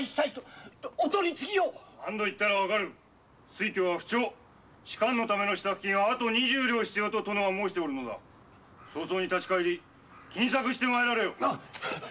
推挙は不調仕官のための支度金はあと２０両必要だと殿は申しておる早々に立ち返り金策して参られよ。